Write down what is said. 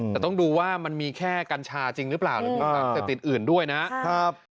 แต่ต้องดูว่ามันมีแค่กัญชาจริงหรือเปล่าหรือมีสารเสพติดอื่นด้วยนะครับ